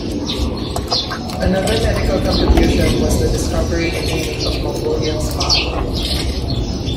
Another medical contribution was the discovery and naming of "Mongolian spot".